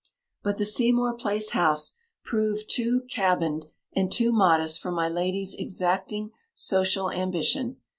But the Seamore Place house proved too cabined and too modest for my lady's exacting social ambition.